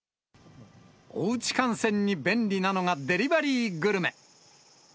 おうち観戦に便利なのが、デリバリーグルメ。